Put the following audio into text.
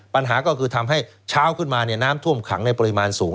ปัญหาก็คือทำให้เช้าขึ้นมาน้ำท่วมขังในปริมาณสูง